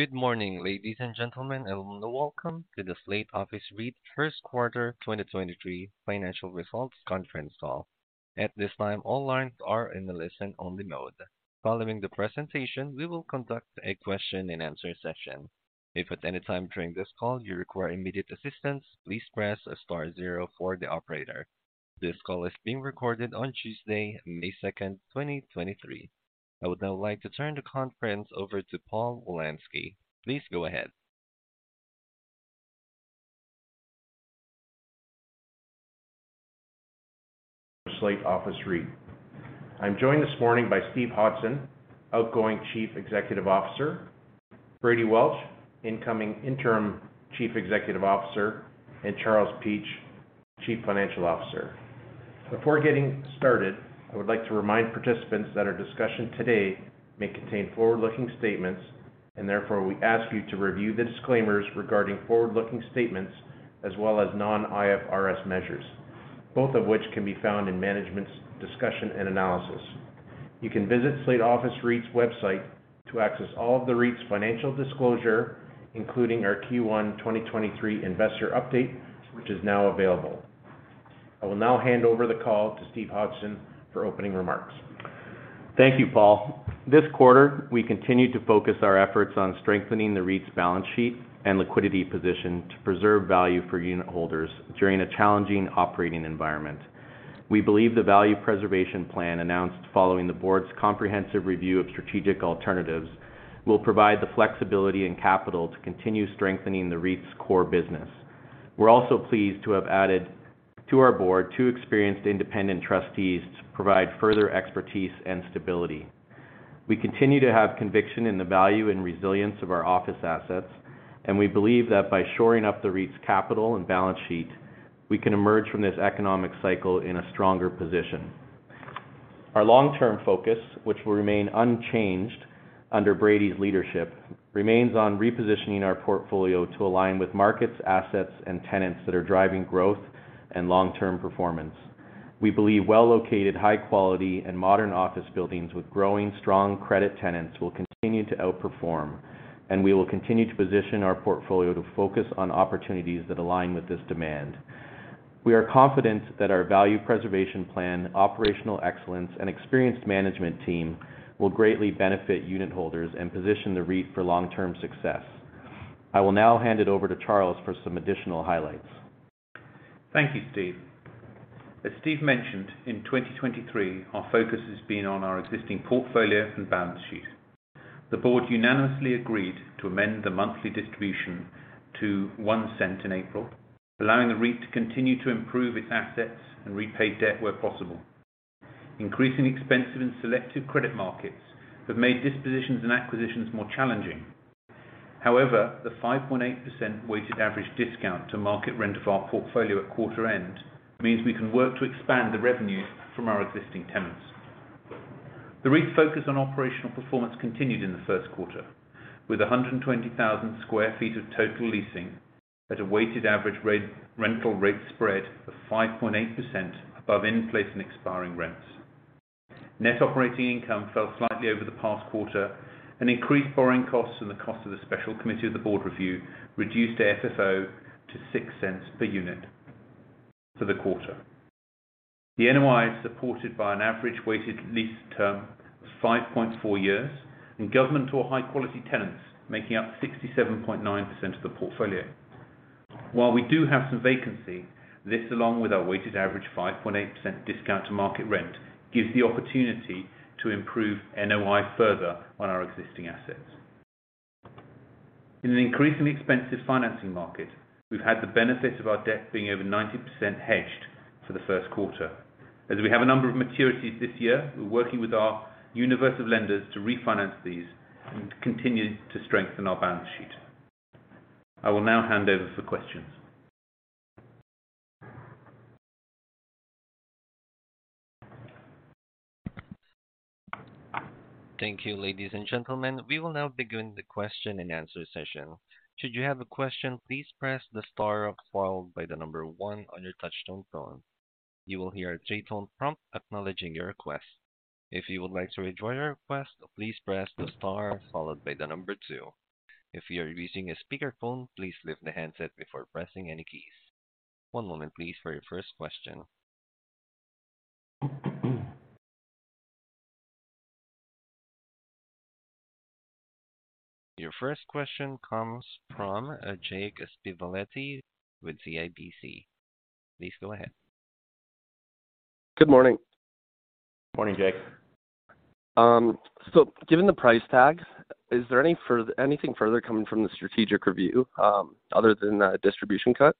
Good morning, ladies and gentlemen, and welcome to the Slate Office REIT First Quarter 2023 Financial Results Conference Call. At this time, all lines are in a listen-only mode. Following the presentation, we will conduct a question-and-answer session. If at any time during this call you require immediate assistance, please press star zero for the operator. This call is being recorded on Tuesday, May 2nd, 2023. I would now like to turn the conference over to Paul Wolanski. Please go ahead. Slate Office REIT. I'm joined this morning by Steve Hodgson, outgoing Chief Executive Officer, Brady Welch, incoming Interim Chief Executive Officer, and Charles Peach, Chief Financial Officer. Before getting started, I would like to remind participants that our discussion today may contain forward-looking statements, and therefore we ask you to review the disclaimers regarding forward-looking statements as well as non-IFRS measures, both of which can be found in management's discussion and analysis. You can visit Slate Office REIT's website to access all of the REIT's financial disclosure, including our Q1 2023 investor update, which is now available. I will now hand over the call to Steve Hodgson for opening remarks. Thank you, Paul. This quarter, we continued to focus our efforts on strengthening the REIT's balance sheet and liquidity position to preserve value for unit holders during a challenging operating environment. We believe the value preservation plan announced following the board's comprehensive review of strategic alternatives will provide the flexibility and capital to continue strengthening the REIT's core business. We're also pleased to have added to our board two experienced independent trustees to provide further expertise and stability. We continue to have conviction in the value and resilience of our office assets. We believe that by shoring up the REIT's capital and balance sheet, we can emerge from this economic cycle in a stronger position. Our long-term focus, which will remain unchanged under Brady's leadership, remains on repositioning our portfolio to align with markets, assets, and tenants that are driving growth and long-term performance. We believe well-located, high quality and modern office buildings with growing strong credit tenants will continue to outperform. We will continue to position our portfolio to focus on opportunities that align with this demand. We are confident that our value preservation plan, operational excellence, and experienced management team will greatly benefit unit holders and position the REIT for long-term success. I will now hand it over to Charles for some additional highlights. Thank you, Steve. As Steve mentioned, in 2023, our focus has been on our existing portfolio and balance sheet. The board unanimously agreed to amend the monthly distribution to 0.01 in April, allowing the REIT to continue to improve its assets and repay debt where possible. Increasing expensive and selective credit markets have made dispositions and acquisitions more challenging. The 5.8% weighted average discount to market rent of our portfolio at quarter end means we can work to expand the revenues from our existing tenants. The REIT focus on operational performance continued in the first quarter, with 120,000 sq ft of total leasing at a weighted average rental rate spread of 5.8% above in place and expiring rents. Net operating income fell slightly over the past quarter, and increased borrowing costs and the cost of the special committee of the board review reduced FFO to $0.06 per unit for the quarter. The NOI is supported by an average weighted lease term of 5.4 years and government or high quality tenants making up 67.9% of the portfolio. While we do have some vacancy, this along with our weighted average 5.8% discount to market rent, gives the opportunity to improve NOI further on our existing assets. In an increasingly expensive financing market, we've had the benefit of our debt being over 90% hedged for the first quarter. As we have a number of maturities this year, we're working with our universal lenders to refinance these and continue to strengthen our balance sheet. I will now hand over for questions. Thank you. Ladies and gentlemen, we will now begin the question-and-answer session. Should you have a question, please press the star followed by the number one on your touch-tone phone. You will hear a three-tone prompt acknowledging your request. If you would like to withdraw your request, please press the star followed by the number two. If you are using a speakerphone, please lift the handset before pressing any keys. One moment please for your first question. Your first question comes from Jake Stivaletti with CIBC. Please go ahead. Good morning. Morning, Jake. Given the price tag, is there anything further coming from the strategic review, other than a distribution cut?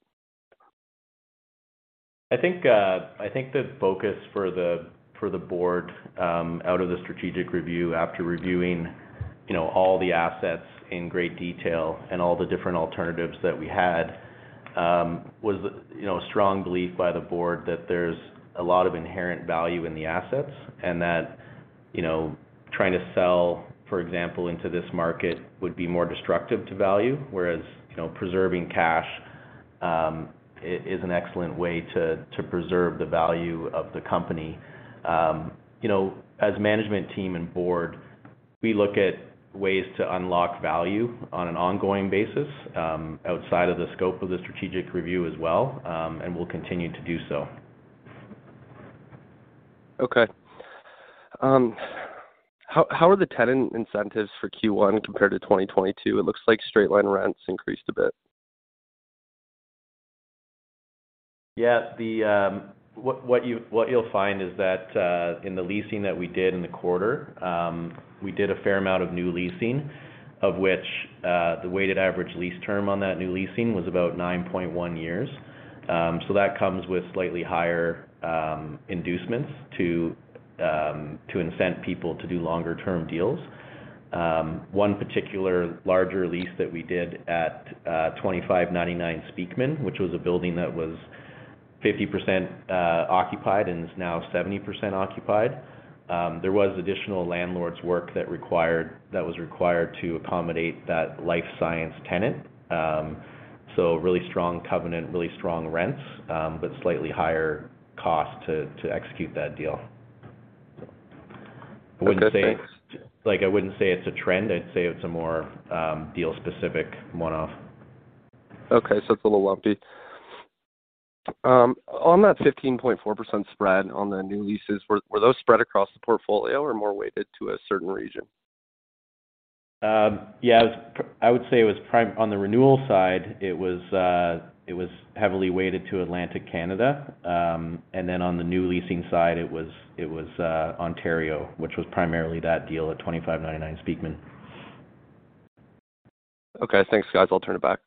I think the focus for the, for the board, out of the strategic review after reviewing, you know, all the assets in great detail and all the different alternatives that we had, was, you know, a strong belief by the board that there's a lot of inherent value in the assets and that, you know, trying to sell, for example, into this market would be more destructive to value, whereas, you know, preserving cash is an excellent way to preserve the value of the company. You know, as management team and board, we look at ways to unlock value on an ongoing basis, outside of the scope of the strategic review as well, and we'll continue to do so. How are the tenant incentives for Q1 compared to 2022? It looks like straight-line rents increased a bit. Yeah. What you'll find is that in the leasing that we did in the quarter, we did a fair amount of new leasing of which the weighted average lease term on that new leasing was about 9.1 years. That comes with slightly higher inducements to incent people to do longer term deals. One particular larger lease that we did at 2599 Speakman, which was a building that was 50% occupied and is now 70% occupied. There was additional landlords work that was required to accommodate that life science tenant. Really strong covenant, really strong rents, but slightly higher cost to execute that deal. Okay, thanks. Like, I wouldn't say it's a trend. I'd say it's a more, deal specific one-off. It's a little lumpy. On that 15.4% spread on the new leases, were those spread across the portfolio or more weighted to a certain region? Yeah. I would say it was on the renewal side, it was heavily weighted to Atlantic Canada. On the new leasing side, it was Ontario, which was primarily that deal at 2599 Speakman. Okay. Thanks, guys. I'll turn it back.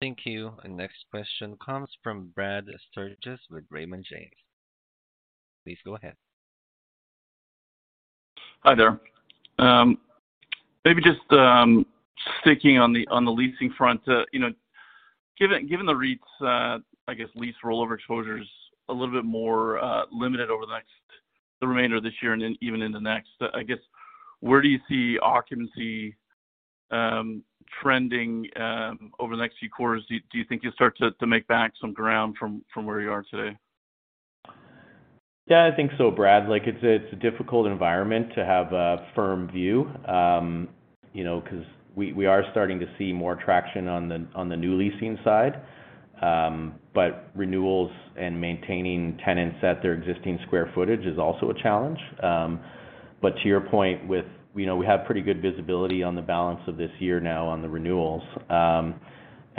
Thank you. Next question comes from Brad Sturges with Raymond James. Please go ahead. Hi there. Maybe just sticking on the leasing front, you know, given the REIT's, I guess, lease rollover exposure's a little bit more limited over the remainder of this year and then even in the next. I guess, where do you see occupancy trending over the next few quarters? Do you think you'll start to make back some ground from where you are today? I think so, Brad. Like, it's a, it's a difficult environment to have a firm view, you know, 'cause we are starting to see more traction on the, on the new leasing side. Renewals and maintaining tenants at their existing square footage is also a challenge. To your point with, you know, we have pretty good visibility on the balance of this year now on the renewals.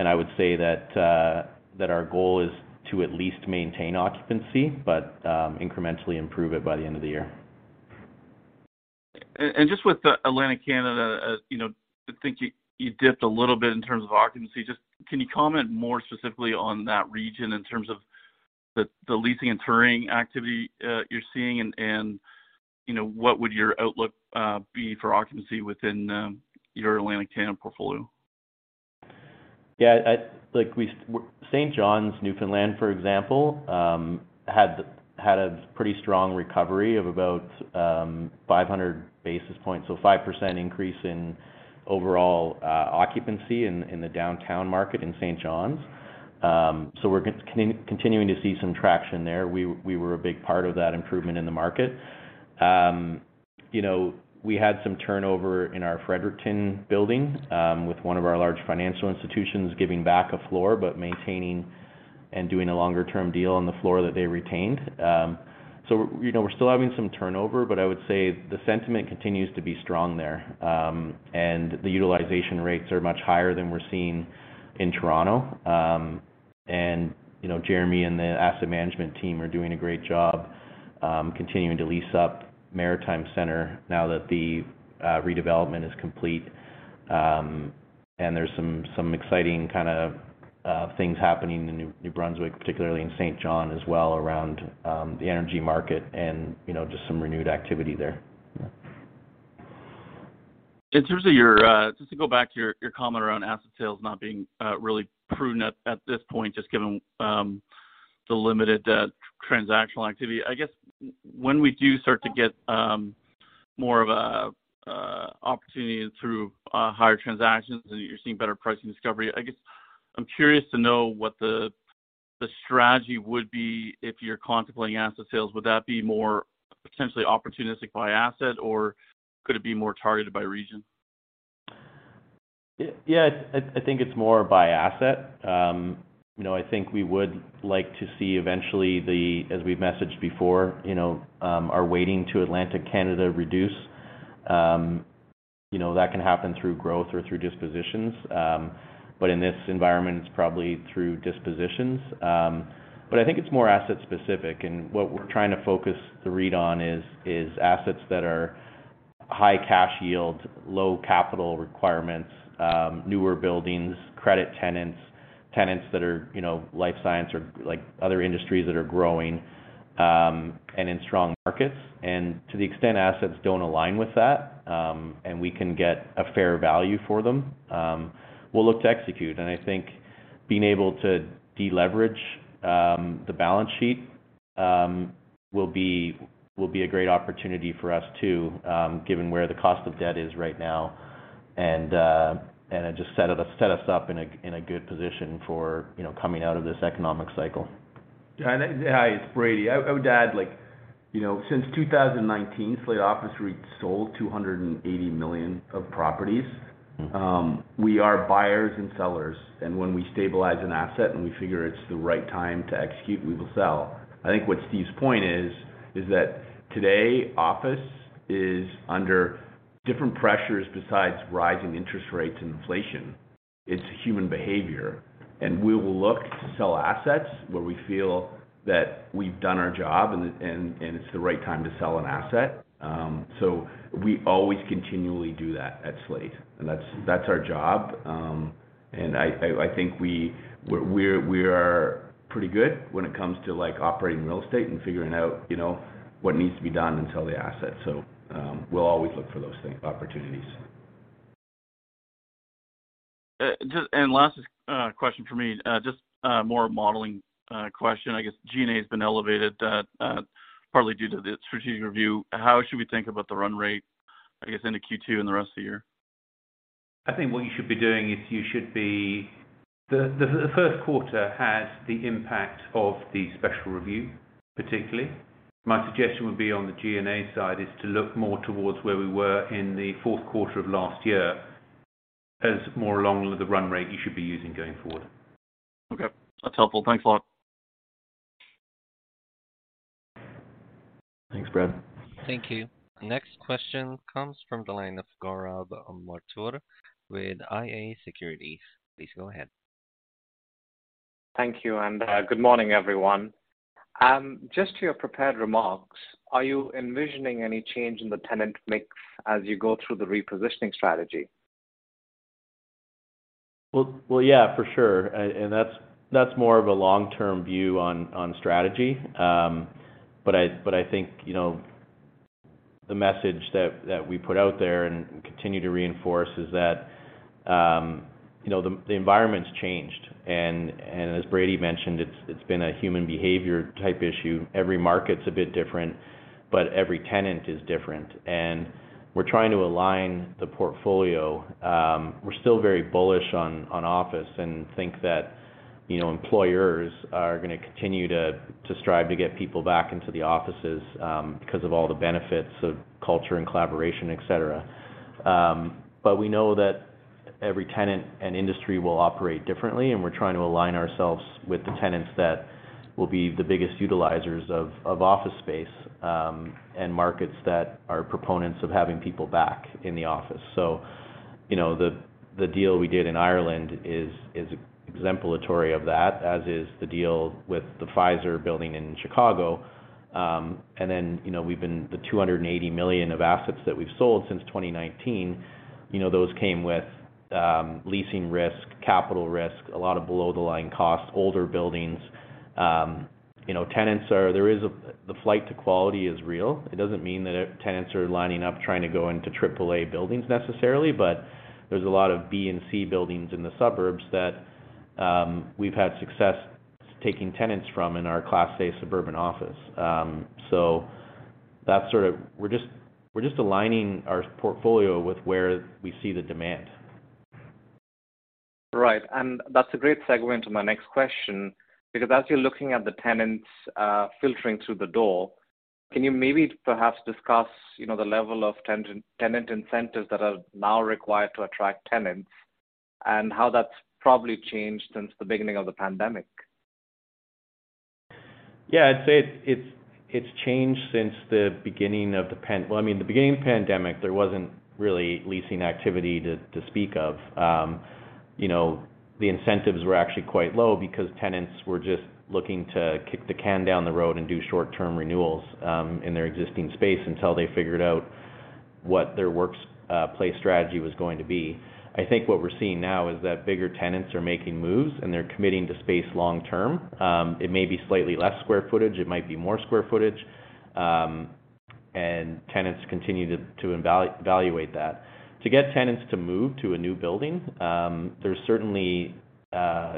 I would say that our goal is to at least maintain occupancy, but incrementally improve it by the end of the year. Just with the Atlantic Canada, as you know, I think you dipped a little bit in terms of occupancy. Just can you comment more specifically on that region in terms of the leasing and touring activity you're seeing and, you know, what would your outlook be for occupancy within your Atlantic Canada portfolio? St. John's, Newfoundland, for example, had a pretty strong recovery of about 500 basis points. 5% increase in overall occupancy in the downtown market in St. John's. We're continuing to see some traction there. We were a big part of that improvement in the market. You know, we had some turnover in our Fredericton building with one of our large financial institutions giving back a floor, but maintaining and doing a longer term deal on the floor that they retained. You know, we're still having some turnover, but I would say the sentiment continues to be strong there. The utilization rates are much higher than we're seeing in Toronto. You know, Jeremy and the asset management team are doing a great job, continuing to lease up Maritime Center now that the redevelopment is complete. There's some exciting kind of things happening in New Brunswick, particularly in St. John as well around the energy market and, you know, just some renewed activity there. Yeah. Just to go back to your comment around asset sales not being really prudent at this point, just given the limited transactional activity. I guess when we do start to get more of a opportunity through higher transactions and you're seeing better pricing discovery, I guess I'm curious to know what the strategy would be if you're contemplating asset sales. Would that be more potentially opportunistic by asset or could it be more targeted by region? Yeah. I think it's more by asset. You know, I think we would like to see eventually the, as we've messaged before, you know, our waiting to Atlantic Canada reduce. In this environment, it's probably through dispositions. I think it's more asset specific. What we're trying to focus the REIT on is assets that are high cash yields, low capital requirements, newer buildings, credit tenants that are, you know, life science or like other industries that are growing, and in strong markets. To the extent assets don't align with that, and we can get a fair value for them, we'll look to execute. I think being able to deleverage, the balance sheet will be a great opportunity for us, too, given where the cost of debt is right now, and it just set us up in a good position for, you know, coming out of this economic cycle. Yeah. Hi, it's Brady. I would add like, you know, since 2019, Slate Office REIT sold 280 million of properties. Mm-hmm. We are buyers and sellers, and when we stabilize an asset, and we figure it's the right time to execute, we will sell. I think what Steve's point is that today office is under different pressures besides rising interest rates and inflation. It's human behavior. We will look to sell assets where we feel that we've done our job and it's the right time to sell an asset. We always continually do that at Slate, and that's our job. I think we're pretty good when it comes to, like, operating real estate and figuring out, you know, what needs to be done and sell the asset. We'll always look for those things, opportunities. Last question for me, just more modeling question. I guess G&A has been elevated partly due to the strategic review. How should we think about the run rate, I guess, into Q2 and the rest of the year? I think what you should be doing is The first quarter had the impact of the special review, particularly. My suggestion would be on the G&A side is to look more towards where we were in the fourth quarter of last year as more along the run rate you should be using going forward. Okay. That's helpful. Thanks a lot. Thanks, Brad. Thank you. Next question comes from the line of Gaurav Mathur with iA Securities. Please go ahead. Thank you. Good morning, everyone. Just to your prepared remarks, are you envisioning any change in the tenant mix as you go through the repositioning strategy? Yeah, for sure. That's, that's more of a long-term view on strategy. I, but I think, you know, the message that we put out there and continue to reinforce is that, you know, the environment's changed. As Brady mentioned, it's been a human behavior type issue. Every market's a bit different, but every tenant is different. We're trying to align the portfolio. We're still very bullish on office and think that, you know, employers are going to continue to strive to get people back into the offices because of all the benefits of culture and collaboration, et cetera. We know that every tenant and industry will operate differently, and we're trying to align ourselves with the tenants that will be the biggest utilizers of office space, markets that are proponents of having people back in the office. You know, the deal we did in Ireland is exemplatory of that, as is the deal with the Pfizer building in Chicago. You know, the 280 million of assets that we've sold since 2019, you know, those came with leasing risk, capital risk, a lot of below the line costs, older buildings. You know, The flight to quality is real. It doesn't mean that tenants are lining up trying to go into triple-A buildings necessarily. There's a lot of B and C buildings in the suburbs that, we've had success taking tenants from in our Class A suburban office. That's sort of, we're just aligning our portfolio with where we see the demand. Right. That's a great segue into my next question, because as you're looking at the tenants, filtering through the door, can you maybe perhaps discuss, you know, the level of tenant incentives that are now required to attract tenants and how that's probably changed since the beginning of the pandemic? Yeah. I'd say it's changed since the beginning of the pandemic. Well, I mean, the beginning of the pandemic, there wasn't really leasing activity to speak of. You know, the incentives were actually quite low because tenants were just looking to kick the can down the road and do short-term renewals in their existing space until they figured out what their work, place strategy was going to be. I think what we're seeing now is that bigger tenants are making moves, and they're committing to space long-term. It may be slightly less square footage, it might be more square footage, and tenants continue to evaluate that. To get tenants to move to a new building, there's certainly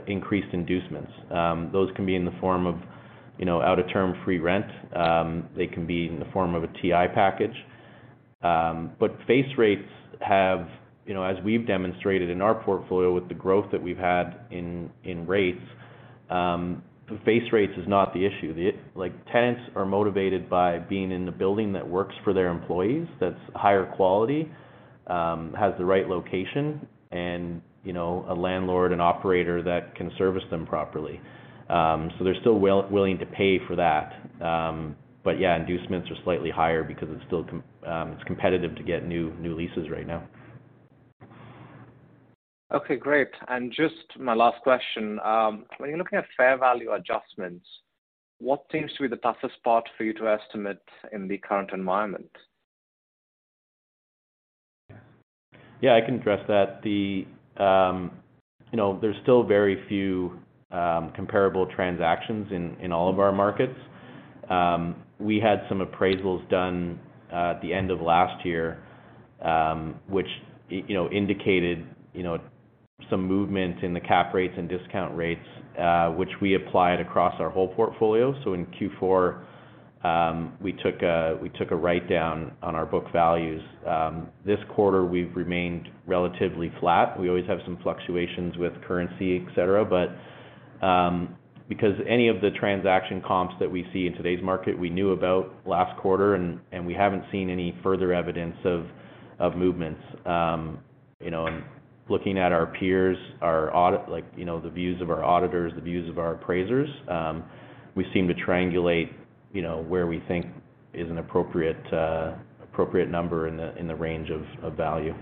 increased inducements. Those can be in the form of, you know, out-of-term free rent. They can be in the form of a TI package. Base rates have, you know, as we've demonstrated in our portfolio with the growth that we've had in rates, the base rates is not the issue. Like, tenants are motivated by being in the building that works for their employees, that's higher quality, has the right location and, you know, a landlord and operator that can service them properly. They're still willing to pay for that. Yeah, inducements are slightly higher because it's still competitive to get new leases right now. Okay, great. Just my last question, when you're looking at fair value adjustments, what seems to be the toughest part for you to estimate in the current environment? Yeah, I can address that. The, you know, there's still very few comparable transactions in all of our markets. We had some appraisals done at the end of last year, which, you know, indicated some movement in the cap rates and discount rates, which we applied across our whole portfolio. In Q4, we took a write-down on our book values. This quarter we've remained relatively flat. We always have some fluctuations with currency, et cetera. Because any of the transaction comps that we see in today's market, we knew about last quarter and we haven't seen any further evidence of movements. You know, looking at our peers, our like, you know, the views of our auditors, the views of our appraisers, we seem to triangulate, you know, where we think is an appropriate appropriate number in the range of value.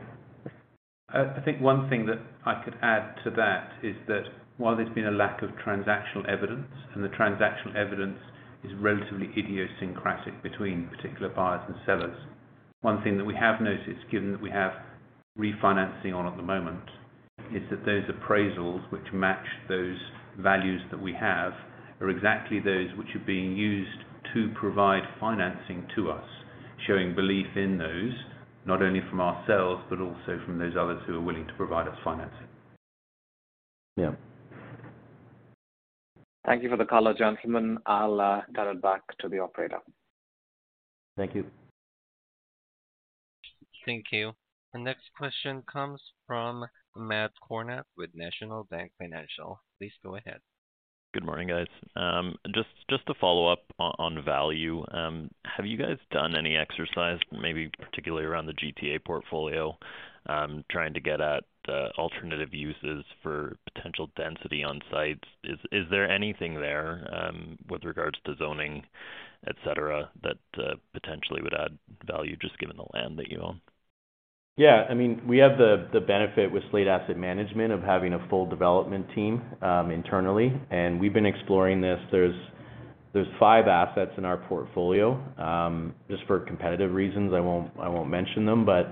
I think one thing that I could add to that is that while there's been a lack of transactional evidence, and the transactional evidence is relatively idiosyncratic between particular buyers and sellers, one thing that we have noticed, given that we have refinancing on at the moment, is that those appraisals which match those values that we have, are exactly those which are being used to provide financing to us, showing belief in those not only from ourselves, but also from those others who are willing to provide us financing. Yeah. Thank you for the call, gentlemen. I'll turn it back to the operator. Thank you. Thank you. The next question comes from Matt Kornack with National Bank Financial. Please go ahead. Good morning, guys. Just to follow up on value. Have you guys done any exercise, maybe particularly around the GTA portfolio, trying to get at alternative uses for potential density on sites? Is there anything there with regards to zoning, et cetera, that potentially would add value just given the land that you own? I mean, we have the benefit with Slate Asset Management of having a full development team internally, and we've been exploring this. There's 5 assets in our portfolio. Just for competitive reasons, I won't mention them, but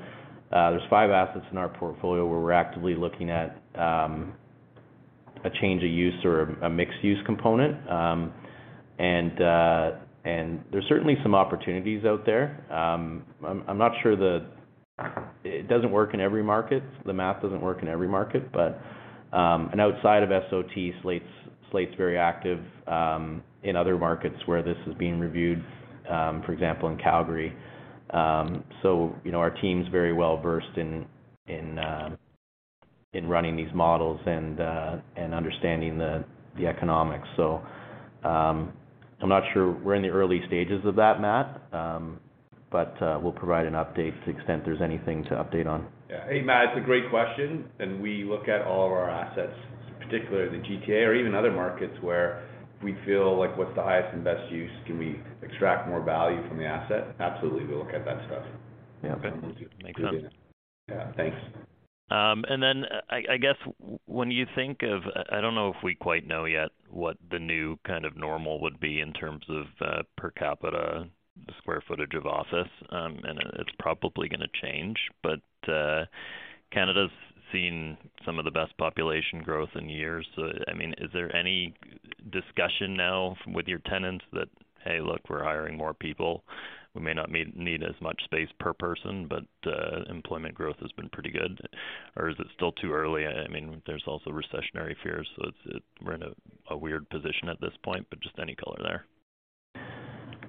there's five assets in our portfolio where we're actively looking at a change of use or a mixed use component. There's certainly some opportunities out there. I'm not sure. It doesn't work in every market. The math doesn't work in every market. Outside of SOT, Slate's very active in other markets where this is being reviewed, for example, in Calgary. You know, our team's very well-versed in running these models and understanding the economics. I'm not sure. We're in the early stages of that, Matt, but we'll provide an update to the extent there's anything to update on. Yeah. Hey, Matt, it's a great question. We look at all of our assets, particularly the GTA or even other markets where we feel like what's the highest and best use, can we extract more value from the asset? Absolutely, we look at that stuff. Yeah. Okay. Makes sense. Yeah. Thanks. I guess when you think I don't know if we quite know yet what the new kind of normal would be in terms of per capita square footage of office, and it's probably going to change. Canada's seen some of the best population growth in years. I mean, is there any discussion now with your tenants that, "Hey, look, we're hiring more people. We may not need as much space per person," but employment growth has been pretty good. Is it still too early? I mean, there's also recessionary fears, we're in a weird position at this point, just any color there.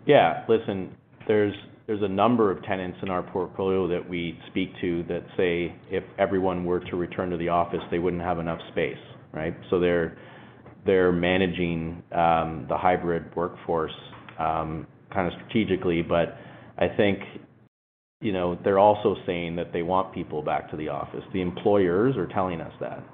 Yeah. Listen, there's a number of tenants in our portfolio that we speak to that say if everyone were to return to the office, they wouldn't have enough space, right? They're managing the hybrid workforce kind of strategically. I think, you know, they're also saying that they want people back to the office. The employers are telling us that.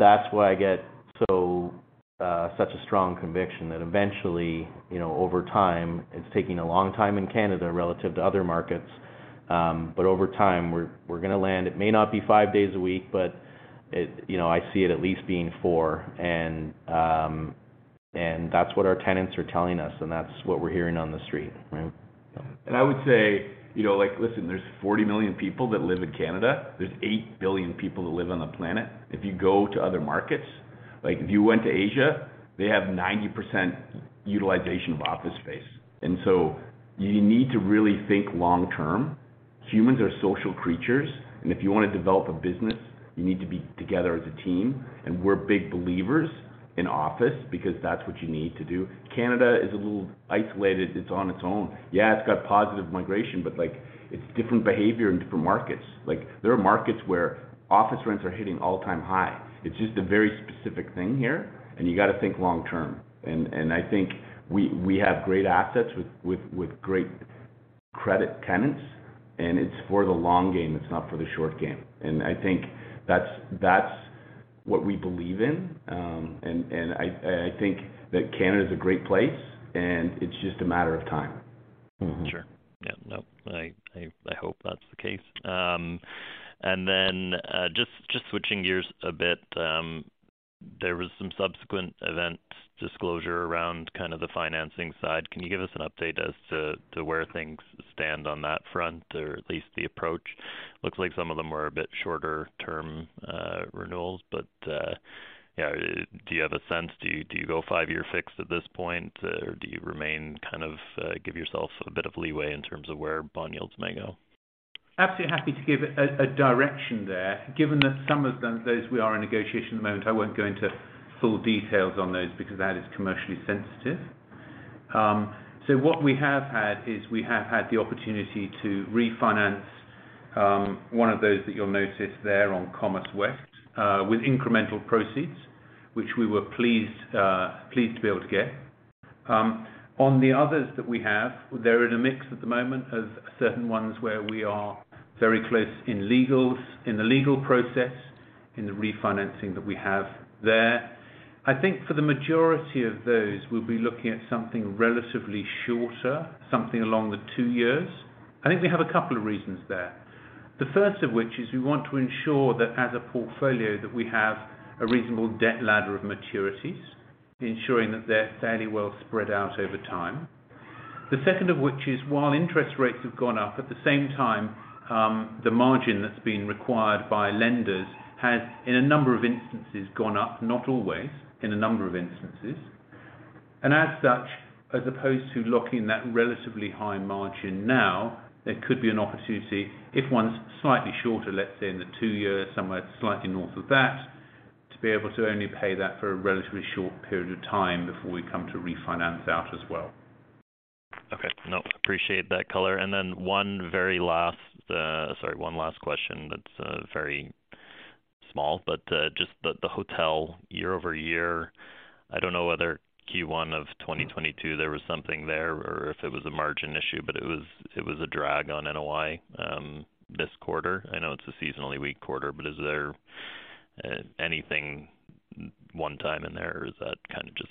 That's why I get so such a strong conviction that eventually, you know, over time, it's taking a long time in Canada relative to other markets, but over time, we're going to land. It may not be five days a week, but you know, I see it at least being four. That's what our tenants are telling us, and that's what we're hearing on the street, right? I would say, you know, like, listen, there's 40 million people that live in Canada. There's 8 billion people that live on the planet. If you go to other markets, like if you went to Asia, they have 90% utilization of office space. You need to really think long term. Humans are social creatures, and if you want to develop a business, you need to be together as a team. We're big believers in office because that's what you need to do. Canada is a little isolated. It's on its own. Yeah, it's got positive migration, but, like, it's different behavior and different markets. Like, there are markets where office rents are hitting all-time high. It's just a very specific thing here, and you gotta think long term. I think we have great assets with great credit tenants, and it's for the long game, it's not for the short game. I think that's what we believe in. I think that Canada's a great place and it's just a matter of time. Mm-hmm. Sure. Yeah. No, I hope that's the case. Just switching gears a bit, there was some subsequent event disclosure around kind of the financing side. Can you give us an update as to where things stand on that front or at least the approach? Looks like some of them were a bit shorter term, renewals. Yeah. Do you have a sense? Do you go five-year fixed at this point, or do you remain kind of give yourself a bit of leeway in terms of where bond yields may go? Absolutely happy to give a direction there. Given that some of them, those we are in negotiation at the moment, I won't go into full details on those because that is commercially sensitive. What we have had is we have had the opportunity to refinance one of those that you'll notice there on Commerce West with incremental proceeds, which we were pleased to be able to get. On the others that we have, they're in a mix at the moment of certain ones where we are very close in legals, in the legal process, in the refinancing that we have there. I think for the majority of those, we'll be looking at something relatively shorter, something along the two years. I think we have a couple of reasons there. The first of which is we want to ensure that as a portfolio, that we have a reasonable debt ladder of maturities, ensuring that they're fairly well spread out over time. The second of which is, while interest rates have gone up, at the same time, the margin that's been required by lenders has, in a number of instances, gone up, not always, in a number of instances. As such, as opposed to locking that relatively high margin now, there could be an opportunity if one's slightly shorter, let's say in the two years, somewhere slightly north of that, to be able to only pay that for a relatively short period of time before we come to refinance out as well. Okay. No, appreciate that color. Sorry, one last question that's very small, but just the hotel year-over-year, I don't know whether Q1 of 2022 there was something there or if it was a margin issue, but it was a drag on NOI this quarter. I know it's a seasonally weak quarter, but is there anything one time in there or is that kind of just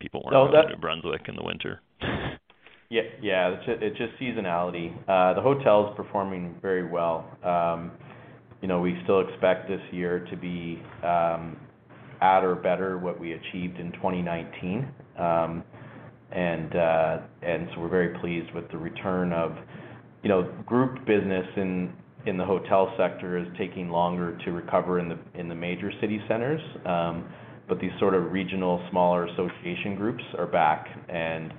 people weren't. No. in New Brunswick in the winter? Yeah. Yeah. It's just, it's just seasonality. The hotel is performing very well. You know, we still expect this year to be at or better what we achieved in 2019. We're very pleased with the return of... You know, group business in the hotel sector is taking longer to recover in the, in the major city centers. These sort of regional smaller association groups are back and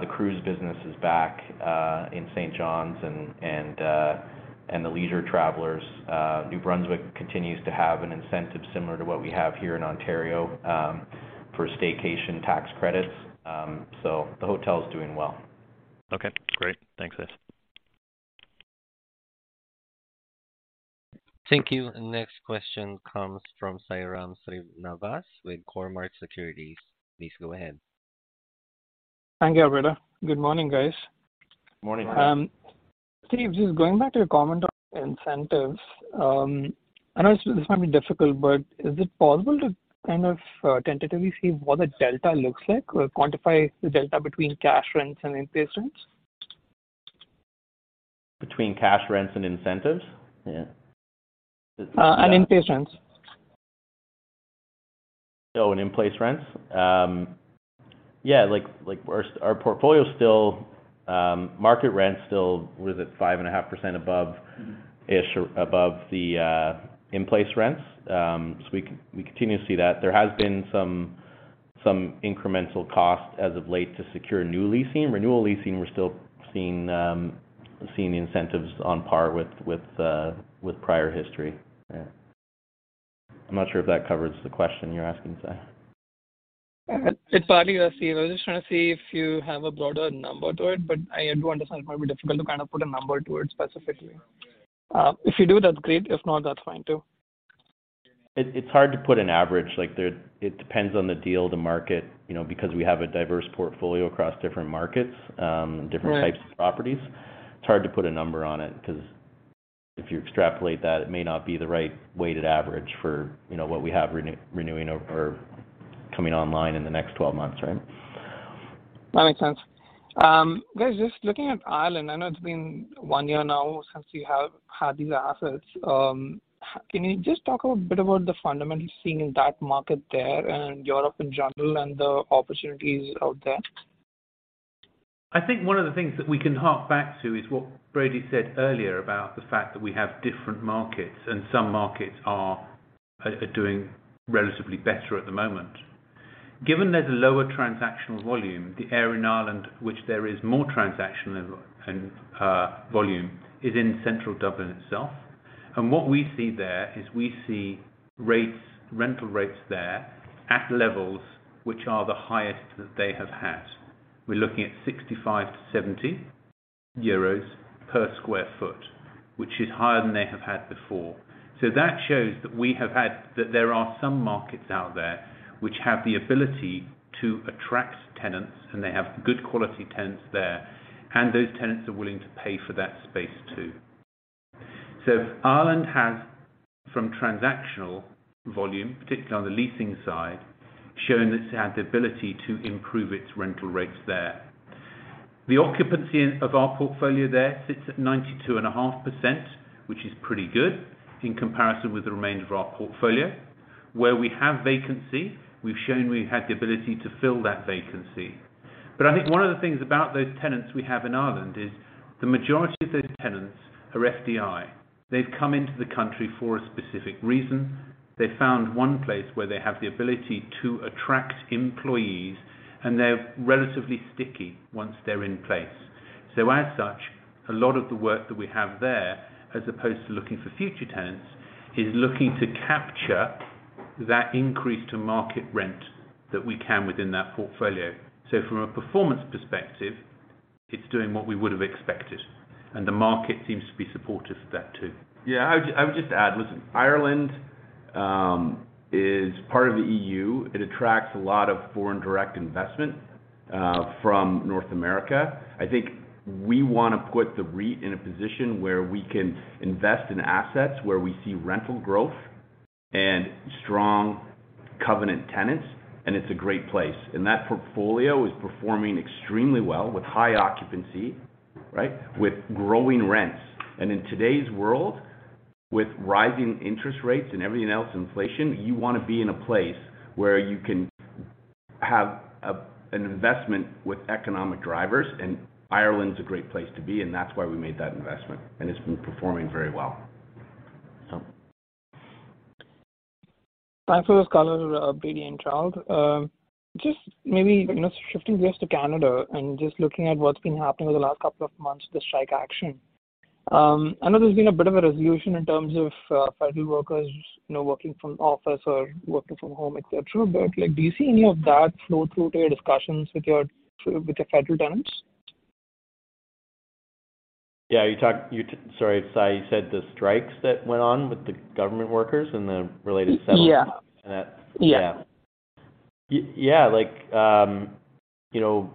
the cruise business is back in St. John's and and the leisure travelers. New Brunswick continues to have an incentive similar to what we have here in Ontario, for staycation tax credits. The hotel is doing well. Okay, great. Thanks, guys. Thank you. Next question comes from Sairam Srinivas with Cormark Securities. Please go ahead. Thank you, operator. Good morning, guys. Morning. Steve, just going back to your comment on incentives, I know this might be difficult, but is it possible to kind of tentatively see what the delta looks like or quantify the delta between cash rents and in-place rents? Between cash rents and incentives? Yeah. In-place rents. In-place rents. Yeah, like our portfolio is still market rent still was at 5.5% above the in-place rents. We continue to see that. There has been some incremental cost as of late to secure new leasing. Renewal leasing, we're still seeing the incentives on par with prior history. Yeah. I'm not sure if that covers the question you're asking, Sai. It partly does, Steve. I was just trying to see if you have a broader number to it, but I do understand it might be difficult to kind of put a number to it specifically. If you do, that's great. If not, that's fine too. It's hard to put an average. Like, it depends on the deal, the market, you know, because we have a diverse portfolio across different markets, different types of properties. It's hard to put a number on it because if you extrapolate that, it may not be the right weighted average for, you know, what we have renewing or coming online in the next 12 months, right? That makes sense. Guys, just looking at Ireland, I know it's been one year now since you have had these assets. Can you just talk a bit about the fundamentals seen in that market there and Europe in general and the opportunities out there? I think one of the things that we can hark back to is what Brady said earlier about the fact that we have different markets and some markets are doing relatively better at the moment. Given there's a lower transactional volume, the area in Ireland which there is more transactional and volume is in central Dublin itself. What we see there is we see rates, rental rates there at levels which are the highest that they have had. We're looking at 65-70 euros per sq ft, which is higher than they have had before. That shows that there are some markets out there which have the ability to attract tenants, and they have good quality tenants there, and those tenants are willing to pay for that space too. Ireland has, from transactional volume, particularly on the leasing side, shown that it's had the ability to improve its rental rates there. The occupancy of our portfolio there sits at 92.5%, which is pretty good in comparison with the remainder of our portfolio. Where we have vacancy, we've shown we've had the ability to fill that vacancy. I think one of the things about those tenants we have in Ireland is the majority of those tenants are FDI. They've come into the country for a specific reason. They found one place where they have the ability to attract employees, and they're relatively sticky once they're in place. As such, a lot of the work that we have there, as opposed to looking for future tenants, is looking to capture that increase to market rent that we can within that portfolio. From a performance perspective, it's doing what we would have expected, and the market seems to be supportive of that too. Yeah. I would just add. Listen, Ireland is part of the EU. It attracts a lot of foreign direct investment from North America. I think we want to put the REIT in a position where we can invest in assets where we see rental growth and strong covenant tenants, and it's a great place. That portfolio is performing extremely well with high occupancy, right? With growing rents. In today's world, with rising interest rates and everything else, inflation, you want to be in a place where you can have an investment with economic drivers. Ireland's a great place to be, and that's why we made that investment, and it's been performing very well. Thanks for those color, Brady Welch and Charles Peach. Just maybe, you know, shifting gears to Canada and just looking at what's been happening over the last couple of months with the strike action. I know there's been a bit of a resolution in terms of federal workers, you know, working from office or working from home, et cetera. Like, do you see any of that flow through to your discussions with your, with your federal tenants? Yeah. sorry, Sa, you said the strikes that went on with the government workers and the related settlement? Yeah. And that- Yeah. Yeah. Like, you know,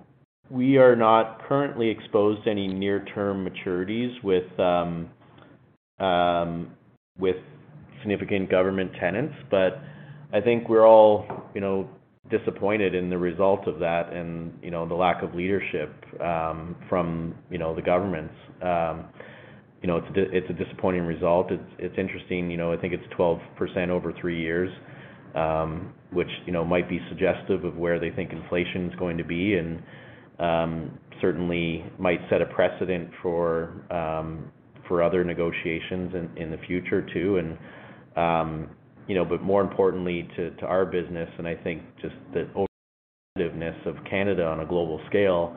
we are not currently exposed to any near-term maturities with significant government tenants. I think we're all, you know, disappointed in the result of that and, you know, the lack of leadership from, you know, the governments. You know, it's a disappointing result. It's, it's interesting. You know, I think it's 12% over 3 years, which, you know, might be suggestive of where they think inflation's going to be and certainly might set a precedent for other negotiations in the future too. You know, but more importantly to our business and I think just the overall competitiveness of Canada on a global scale,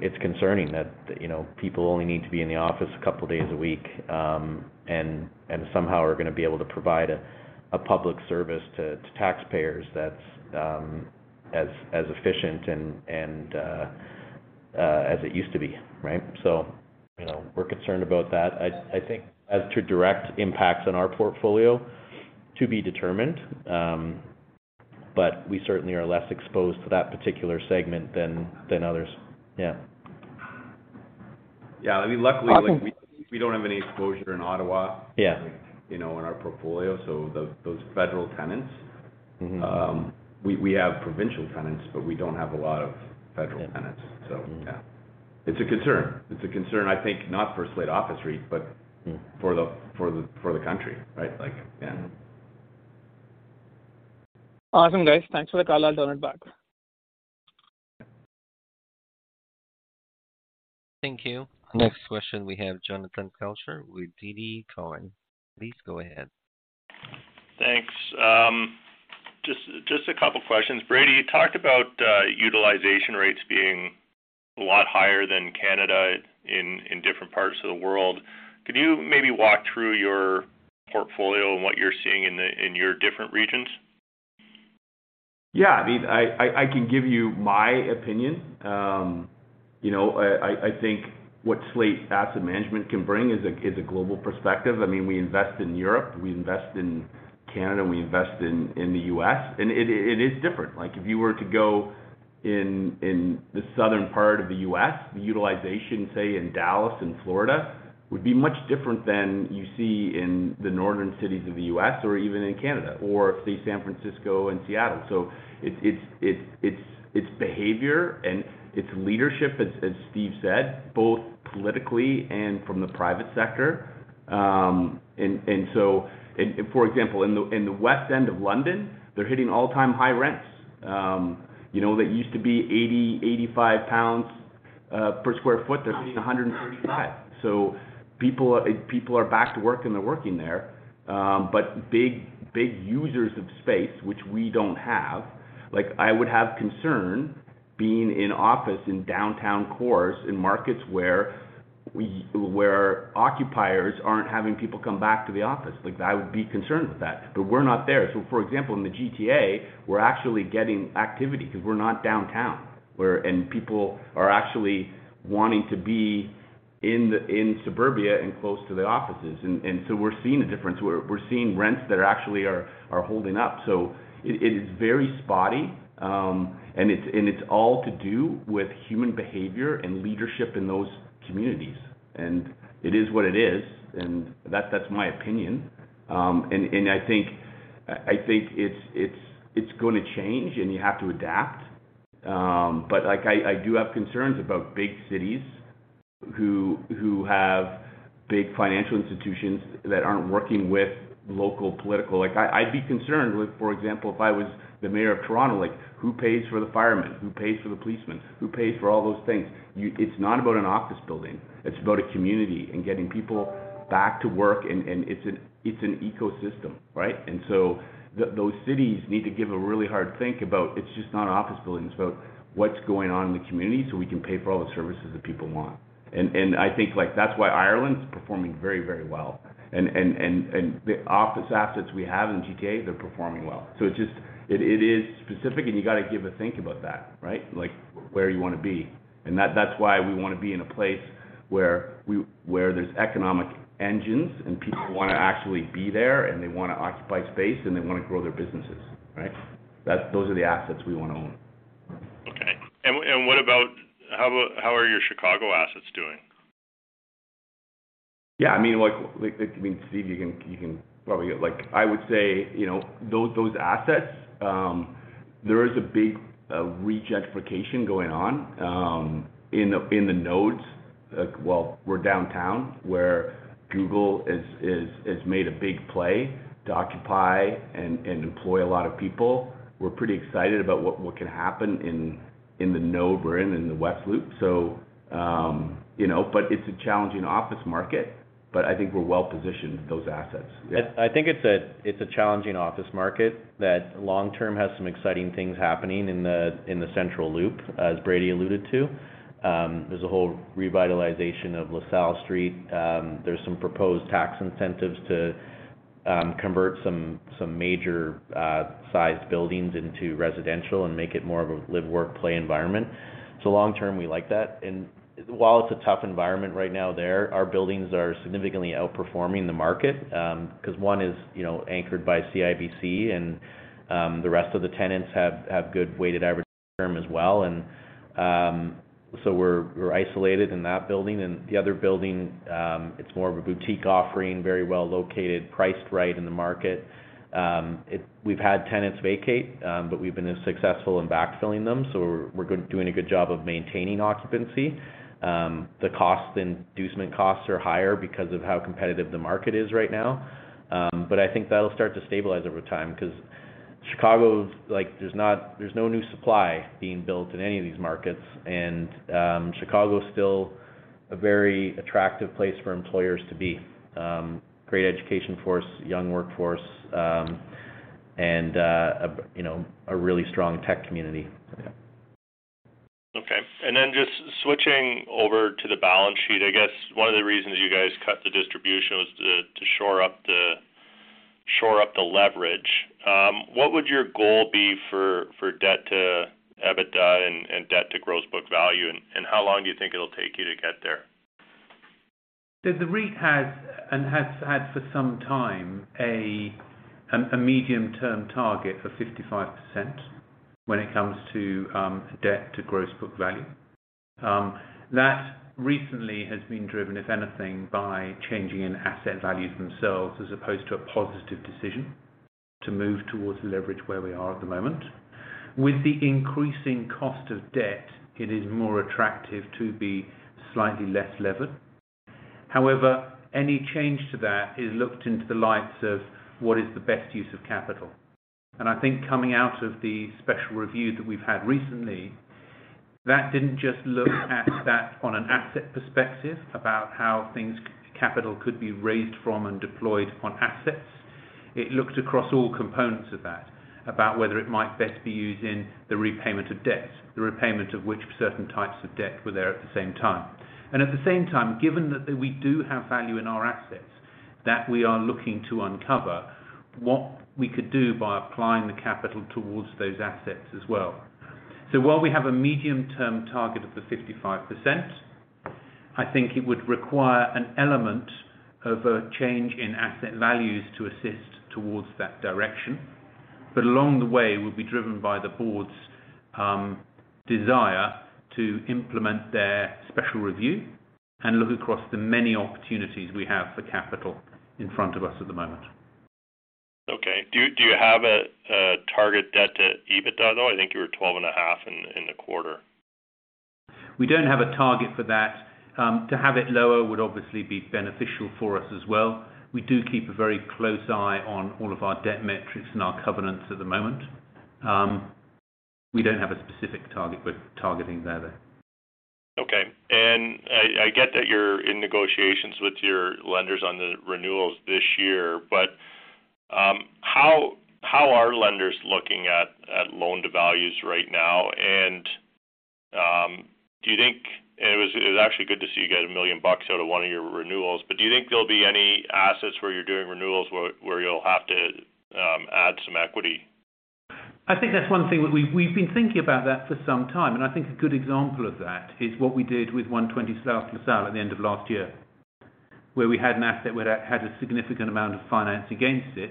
it's concerning that, you know, people only need to be in the office a couple days a week, and somehow are going to be able to provide a public service to taxpayers that's as efficient and as it used to be, right? You know, we're concerned about that. I think as to direct impacts on our portfolio to be determined, but we certainly are less exposed to that particular segment than others. Yeah. Yeah. I mean, Awesome like we don't have any exposure in Ottawa. Yeah you know, in our portfolio, so those federal tenants. Mm-hmm. We have provincial tenants, but we don't have a lot of federal tenants. Yeah. Yeah. It's a concern. It's a concern I think not for Slate Office REIT. Mm. -for the country, right? Like, yeah. Mm-hmm. Awesome, guys. Thanks for the call. I'll turn it back. Thank you. Next question, we have Jonathan Kelcher with TD Cowen. Please go ahead. Thanks. Just a couple questions. Brady, you talked about utilization rates being a lot higher than Canada in different parts of the world. Could you maybe walk through your portfolio and what you're seeing in your different regions? Yeah. I mean, I can give you my opinion. You know, I think what Slate Asset Management can bring is a global perspective. I mean, we invest in Europe, we invest in Canada, and we invest in the U.S., and it is different. Like, if you were to go in the southern part of the U.S., the utilization, say, in Dallas and Florida, would be much different than you see in the northern cities of the U.S. or even in Canada, or say San Francisco and Seattle. It's behavior and it's leadership, as Steve said, both politically and from the private sector. For example, in the west end of London, they're hitting all-time high rents. You know, they used to be 80-85 pounds per sq ft. They're hitting 135. People are back to work, and they're working there. Big users of space, which we don't have. Like, I would have concern being in office in downtown cores in markets where occupiers aren't having people come back to the office. Like, I would be concerned with that. We're not there. For example, in the GTA, we're actually getting activity because we're not downtown. People are actually wanting to be in suburbia and close to the offices. We're seeing a difference. We're seeing rents that are actually holding up. It is very spotty. It's all to do with human behavior and leadership in those communities. It is what it is, that's my opinion. I think it's going to change, and you have to adapt. Like I do have concerns about big cities who have big financial institutions that aren't working with local political. Like I'd be concerned with, for example, if I was the mayor of Toronto, like who pays for the firemen? Who pays for the policemen? Who pays for all those things? It's not about an office building, it's about a community and getting people back to work. It's an ecosystem, right? Those cities need to give a really hard think about, it's just not office buildings. It's about what's going on in the community so we can pay for all the services that people want. I think like that's why Ireland's performing very, very well. The office assets we have in GTA, they're performing well. It is specific, and you got to give a think about that, right? Like where you want to be. That, that's why we want to be in a place where there's economic engines and people want to actually be there, and they want to occupy space, and they want to grow their businesses, right? Those are the assets we want to own. Okay. How are your Chicago assets doing? Yeah, I mean, like, I mean, Steve, you can probably. Like, I would say, you know, those assets, there is a big regentrification going on in the nodes. Well, we're downtown, where Google is has made a big play to occupy and employ a lot of people. We're pretty excited about what can happen in the node we're in the West Loop. You know, but it's a challenging office market, but I think we're well positioned with those assets. Yeah. I think it's a challenging office market that long term has some exciting things happening in the central loop, as Brady alluded to. There's a whole revitalization of LaSalle Street. There's some proposed tax incentives to convert some major sized buildings into residential and make it more of a live, work, play environment. Long term, we like that. While it's a tough environment right now there, our buildings are significantly outperforming the market, 'cause one is, you know, anchored by CIBC, and the rest of the tenants have good weighted average term as well. So we're isolated in that building. The other building, it's more of a boutique offering, very well located, priced right in the market. We've had tenants vacate, but we've been as successful in backfilling them, so we're doing a good job of maintaining occupancy. The cost inducement costs are higher because of how competitive the market is right now. But I think that'll start to stabilize over time 'cause Chicago's like there's no new supply being built in any of these markets. Chicago is still a very attractive place for employers to be. Great education force, young workforce, and, you know, a really strong tech community. Okay. Just switching over to the balance sheet. I guess one of the reasons you guys cut the distribution was to shore up the leverage. What would your goal be for debt to EBITDA and debt to gross book value? How long do you think it'll take you to get there? The REIT has, and has had for some time a medium-term target for 55% when it comes to debt to gross book value. That recently has been driven, if anything, by changing in asset values themselves as opposed to a positive decision to move towards the leverage where we are at the moment. With the increasing cost of debt, it is more attractive to be slightly less levered. Any change to that is looked into the likes of what is the best use of capital. I think coming out of the special review that we've had recently, that didn't just look at that on an asset perspective about how things capital could be raised from and deployed on assets. It looked across all components of that about whether it might best be used in the repayment of debt, the repayment of which certain types of debt were there at the same time. At the same time, given that we do have value in our assets that we are looking to uncover, what we could do by applying the capital towards those assets as well. While we have a medium-term target of the 55%, I think it would require an element of a change in asset values to assist towards that direction. Along the way, we'll be driven by the board's desire to implement their special review and look across the many opportunities we have for capital in front of us at the moment. Okay. Do you have a target debt to EBITDA, though? I think you were 12.5 in the quarter. We don't have a target for that. To have it lower would obviously be beneficial for us as well. We do keep a very close eye on all of our debt metrics and our covenants at the moment. We don't have a specific target we're targeting there, though. Okay. I get that you're in negotiations with your lenders on the renewals this year. How are lenders looking at loan devalues right now? It was actually good to see you get 1 million bucks out of one of your renewals. Do you think there'll be any assets where you're doing renewals where you'll have to add some equity? I think that's one thing that we've been thinking about that for some time, and I think a good example of that is what we did with 120 South LaSalle at the end of last year, where we had an asset where that had a significant amount of finance against it.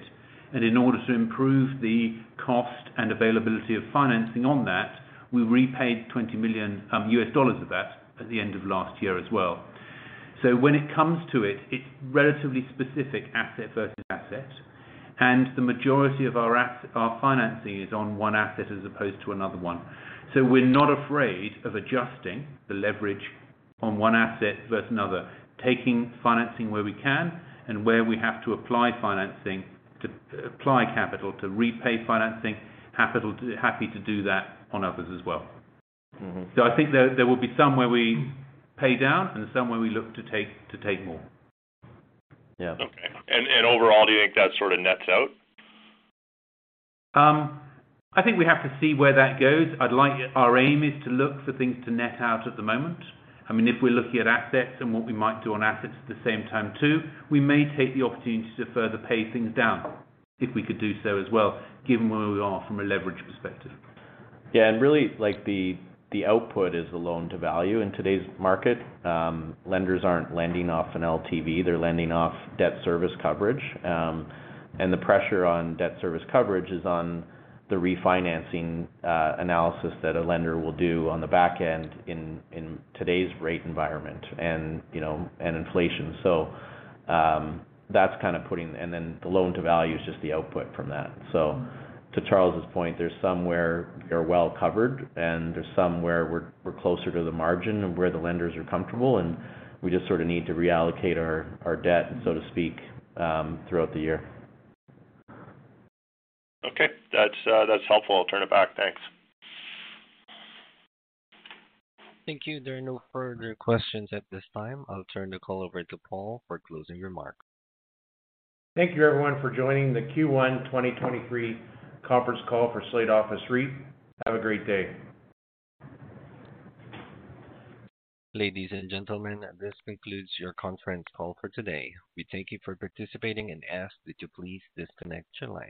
In order to improve the cost and availability of financing on that, we repaid $20 million of that at the end of last year as well. When it comes to it's relatively specific asset versus asset. The majority of our financing is on one asset as opposed to another one. We're not afraid of adjusting the leverage on one asset versus another, taking financing where we can and where we have to apply capital to repay financing capital, happy to do that on others as well. Mm-hmm. I think there will be some where we pay down and some where we look to take more. Yeah. Okay. Overall, do you think that sort of nets out? I think we have to see where that goes. Our aim is to look for things to net out at the moment. I mean, if we're looking at assets and what we might do on assets at the same time too, we may take the opportunity to further pay things down if we could do so as well, given where we are from a leverage perspective. Really, like, the output is the loan to value. In today's market, lenders aren't lending off an LTV, they're lending off debt service coverage. The pressure on debt service coverage is on the refinancing analysis that a lender will do on the back end in today's rate environment and, you know, and inflation. The loan to value is just the output from that. To Charles' point, there's some where we're well covered, and there's some where we're closer to the margin of where the lenders are comfortable, and we just sort of need to reallocate our debt, so to speak, throughout the year. Okay. That's helpful. I'll turn it back. Thanks. Thank you. There are no further questions at this time. I'll turn the call over to Paul for closing remarks. Thank you everyone for joining the Q1 2023 conference call for Slate Office REIT. Have a great day. Ladies and gentlemen, this concludes your conference call for today. We thank you for participating and ask that you please disconnect your lines.